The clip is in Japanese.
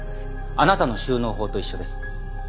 あなたの収納法と一緒です。